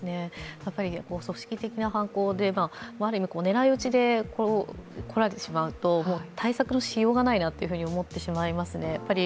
組織的な犯行で、狙い撃ちで来られてしまうと対策のしようがないなと思ってしまいますね。